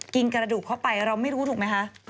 กระดูกเข้าไปเราไม่รู้ถูกไหมคะ